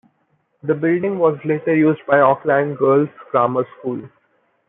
The building was later used by Auckland Girls' Grammar School.